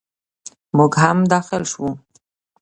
موږ هم داخل شوو.